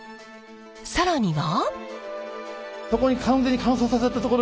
更には。